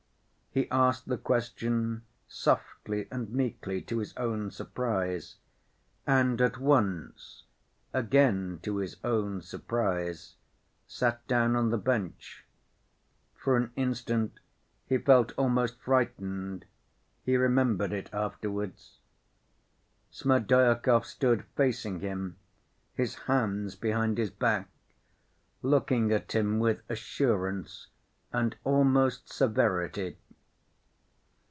He asked the question softly and meekly, to his own surprise, and at once, again to his own surprise, sat down on the bench. For an instant he felt almost frightened; he remembered it afterwards. Smerdyakov stood facing him, his hands behind his back, looking at him with assurance and almost severity.